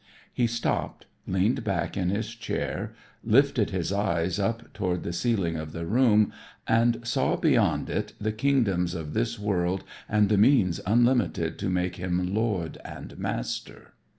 He stopped, leaned back in his chair, lifted his eyes up toward the ceiling of the room and saw beyond it the kingdoms of this world and the means unlimited to make him lord and master.